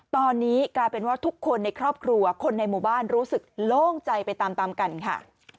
ตอนนี้กลายเป็นว่าทุกคนในครอบครัวคนในหมู่บ้านรู้สึกโล่งใจไปตามตามกันค่ะ